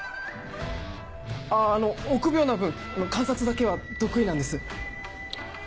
あの臆病な分観察だけは得意なんです。